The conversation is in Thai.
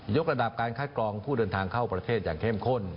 กระดับการคัดกรองผู้เดินทางเข้าประเทศอย่างเข้มข้น